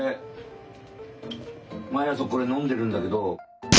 毎朝これ飲んでるんだけど。